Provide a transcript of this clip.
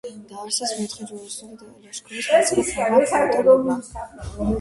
დააარსეს მეოთხე ჯვაროსნული ლაშქრობის მონაწილე ფრანგმა ფეოდალებმა.